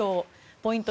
ポイント